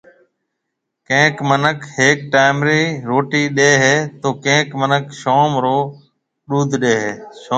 ڪئينڪ منک هيڪ ٽائيم رِي روٽي ڏيَ هيَ تو ڪئينڪ منک شوم رو ڏُوڌ ڏيَ هيَ